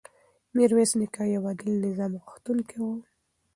میرویس نیکه د یو عادل نظام غوښتونکی و.